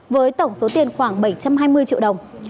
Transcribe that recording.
với tổng số tiền khoảng bảy trăm hai mươi triệu đồng